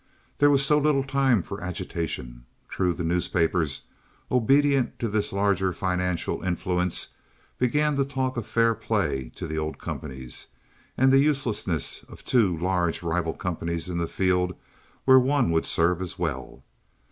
There was so little time for agitation. True the newspapers, obedient to this larger financial influence, began to talk of "fair play to the old companies," and the uselessness of two large rival companies in the field when one would serve as well.